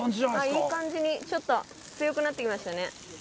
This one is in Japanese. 仲：いい感じに、ちょっと強くなってきましたね。